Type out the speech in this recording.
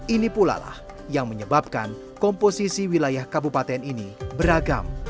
ini pula lah yang menyebabkan komposisi wilayah kabupaten ini beragam